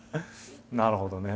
なるほどね。